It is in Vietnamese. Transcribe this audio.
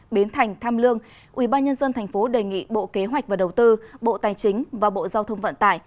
biến thành tham lương ubnd tp đề nghị bộ kế hoạch và đầu tư bộ tài chính và bộ giao thông vận tải